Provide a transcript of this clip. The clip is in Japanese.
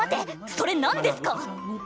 それ何ですか？